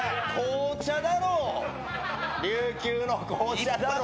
琉球の紅茶だろ。